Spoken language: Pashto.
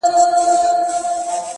مثبت انسان د هیلو اور بل ساتي.!